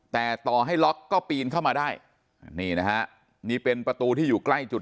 แต่ต่อให้ล็อกก็ปีนเข้ามาได้นี่นะฮะนี่เป็นประตูที่อยู่ใกล้จุด